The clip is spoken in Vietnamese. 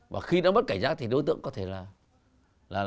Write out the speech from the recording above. và khi nó mất cảnh giác thì đối tượng có thể là